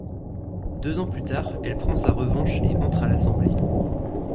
Deux ans plus tard, elle prend sa revanche et entre à l'assemblée.